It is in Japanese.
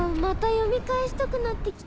読み返したくなって来た。